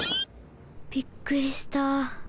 びっくりした。